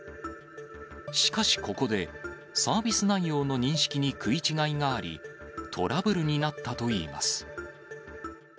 しかしここで、サービス内容の認識に食い違いがあり、トラブルになったといいます。